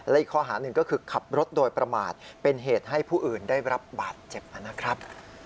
อีกข้อหาหนึ่งก็คือขับรถโดยประมาทเป็นเหตุให้ผู้อื่นได้รับบาดเจ็บนะครับ